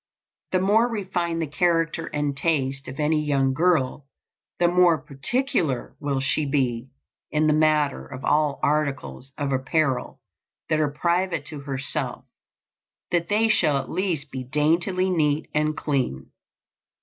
The more refined the character and taste of any young girl, the more particular will she be in the matter of all articles of apparel that are private to herself, that they shall at least be daintily neat and clean.